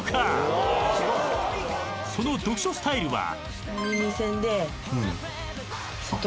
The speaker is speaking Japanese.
［その読書スタイルは］